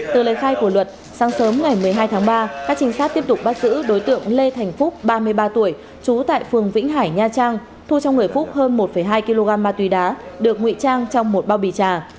từ lời khai của luật sáng sớm ngày một mươi hai tháng ba các trinh sát tiếp tục bắt giữ đối tượng lê thành phúc ba mươi ba tuổi trú tại phường vĩnh hải nha trang thu trong người phúc hơn một hai kg ma túy đá được nguy trang trong một bao bì trà